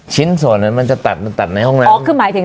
ชิ้นส่วนเนี่ยมันจะตัดทั้งโรงน้ำออกเหมือน